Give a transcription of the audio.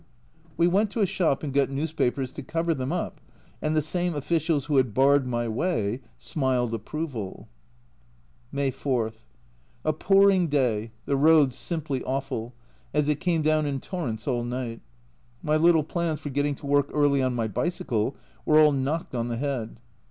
We went to a shop and got newspapers to cover them up, and the same officials who had barred my way smiled approval ! May 4. A pouring day, the roads simply awful, as it came down in torrents all night. My little plans for getting to work early on my bicycle were all knocked on the head.